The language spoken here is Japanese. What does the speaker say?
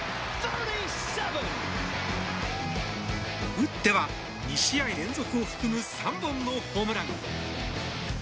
打っては、２試合連続を含む３本のホームラン。